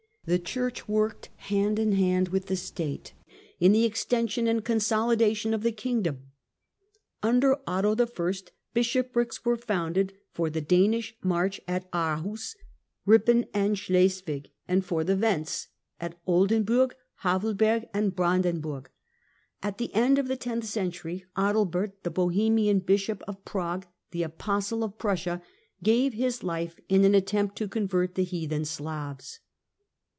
The Church worked hand in hand with the State in the extension and consolidation of the kingdom. Under Otto I. bishoprics were founded, for the Danish march at Aarhus, Ripen and Schleswig, and for the Wends Work CLUNY AND MOVEMENTS OF REFORM 59 at Oldenburg, Havelberg and Brandenburg. At the end of the tenth century, Adalbert, the Bohemian bishop of Prague, the "Apostle of Prussia," gave his life in an attempt to convert the heathen Slavs.